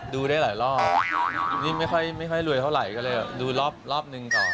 ดูได้หลายรอบนี่ไม่ค่อยรวยเท่าไหร่ก็เลยดูรอบหนึ่งต่อ